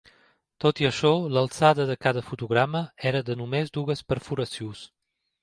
Tot i això, l'alçada de cada fotograma era de només dues perforacions.